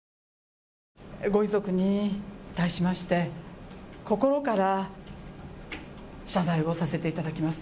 ご遺族に対しまして心から謝罪をさせていただきます。